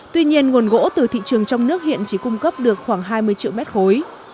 tuy nhiên nguồn gỗ từ thị trường trong nước hiện chỉ cung cấp được khoảng hai mươi triệu mét khối